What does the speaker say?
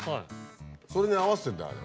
それに合わせてんだよあれ。